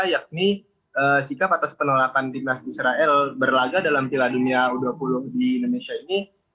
yakni sikap atas penolakan timnas israel berlaga dalam piala dunia u dua puluh di indonesia ini